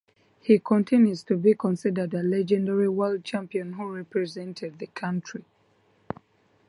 He continues to be considered a legendary world champion who represented the country.